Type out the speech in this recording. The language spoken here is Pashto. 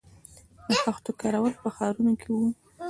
د خښتو کارول په ښارونو کې وو